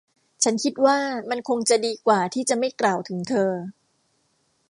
ฉันคิดว่ามันคงจะดีกว่าที่จะไม่กล่าวถึงเธอ